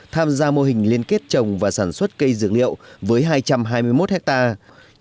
tham gia mô hình liên kết trồng và sản xuất cây dược liệu với hai trăm hai mươi một hectare